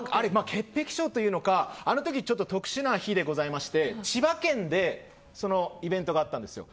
潔癖症というのかあの時、特殊な日でございまして千葉県でイベントがあったんですよ。